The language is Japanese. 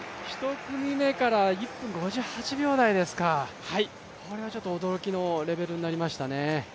１組目から１分５８秒台ですか、これはちょっと驚きのレベルになりましたね。